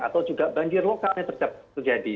atau juga banjir lokalnya tetap terjadi